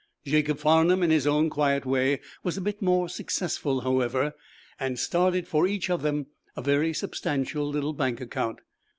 Jacob Farnum, in his own quiet way, was a bit more successful, however, and started for each of them a very substantial little bank account.